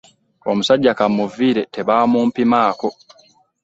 Omusajja ka mmuviire tebaamumpimaako.